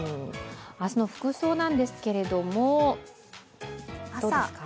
明日の服装なんですけれどもどうですか？